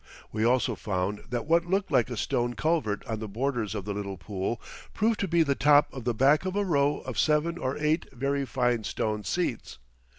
We also found that what looked like a stone culvert on the borders of the little pool proved to be the top of the back of a row of seven or eight very fine stone seats.